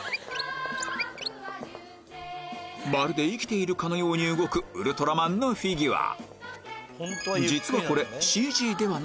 まるで生きているかのように動くウルトラマンのフィギュア